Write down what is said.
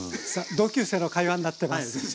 同級生の会話になってます。